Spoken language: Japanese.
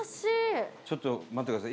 伊達：ちょっと待ってください。